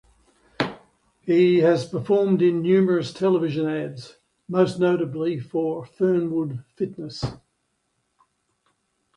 He has performed in numerous television ads, most notably for Fernwood Fitness.